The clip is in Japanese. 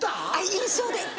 印象で。